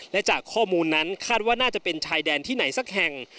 และจากข้อมูลนั้นคาดว่าน่าจะเป็นชายแดนที่ไหนสักแห่ง